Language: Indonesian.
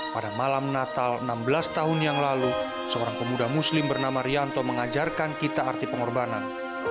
pada malam natal enam belas tahun yang lalu seorang pemuda muslim bernama rianto mengajarkan kita arti pengorbanan